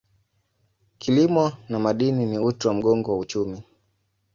Kilimo na madini ni uti wa mgongo wa uchumi.